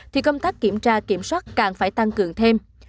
thì công tác kiểm tra kiểm soát càng phải tăng cường thêm